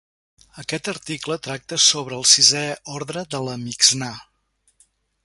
Aquest article tracta sobre el sisè ordre de la Mixnà.